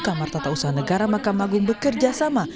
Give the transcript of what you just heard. kamar tata usaha negara mahkamah agung bekerjasama